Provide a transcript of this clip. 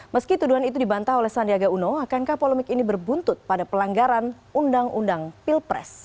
meski tuduhan itu dibantah oleh sandiaga uno akankah polemik ini berbuntut pada pelanggaran undang undang pilpres